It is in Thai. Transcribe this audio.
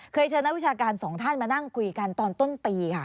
เชิญนักวิชาการสองท่านมานั่งคุยกันตอนต้นปีค่ะ